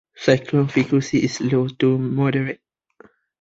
Cyclone frequency is low to moderate.